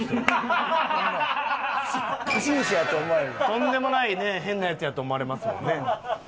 とんでもない変なヤツやと思われますもんね。